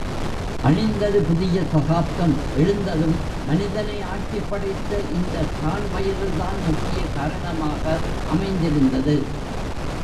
அழிந்தது, புதிய சகாப்தம் எழுந்ததும், மனிதனை ஆட்டிப் படைத்த இந்த சாண் வயிறுதான் முக்கிய காரணமாக அமைந்திருந்தது.